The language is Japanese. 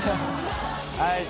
はい。